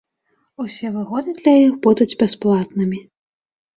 Усе выгоды для іх будуць бясплатнымі.